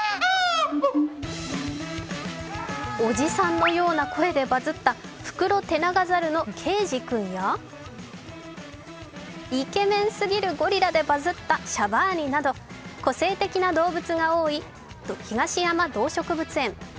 おじさんのような声でバズッたフクロテナガザルのケイジくんやイケメンすぎるゴリラでバズったシャバーニなど個性的な動物が多い東山動植物園。